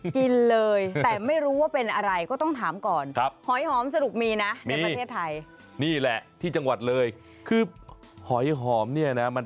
กินอะไรโดมอะไรโดมอะไรกินอะไร